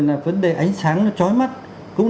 là vấn đề ánh sáng nó trói mắt cũng